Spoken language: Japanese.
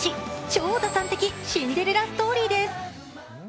超打算的シンデレラストーリーです。